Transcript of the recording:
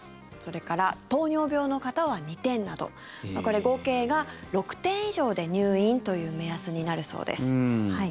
それから糖尿病の方は２点など合計が６点以上で入院という目安になるそうです。